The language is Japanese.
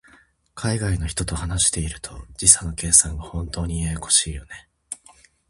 海外の人と話していると、時差の計算が本当にややこしいよね。